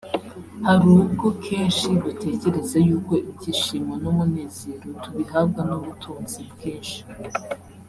Hari ubwo kenshi dutekereza yuko ibyishimo n’umunezero tubihabwa n’ubutunzi bwinshi